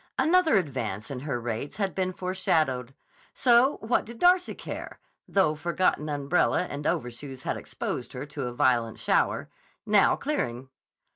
Another advance in her rates had been foreshadowed; so what did Darcy care, though forgotten umbrella and overshoes had exposed her to a violent shower, now clearing?